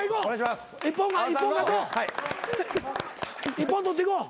一本取っていこう。